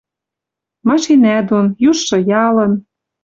Машинӓ дон, южшы ялын